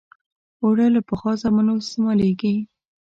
اوړه له پخوا زمانو استعمالېږي